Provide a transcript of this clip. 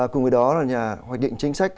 cùng với đó là nhà hoạch định chính sách